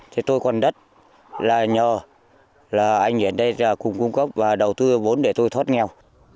thì tôi còn đất là nhờ là anh ở đây là cùng cung cấp và đầu tư vốn để tôi thoát nghèo